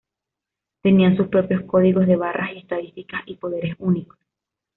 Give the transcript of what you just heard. Tenían sus propios códigos de barras y estadísticas y poderes únicos.